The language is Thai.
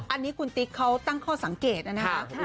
อันนี้คุณติ๊กเขาตั้งข้อสังเกตนะครับ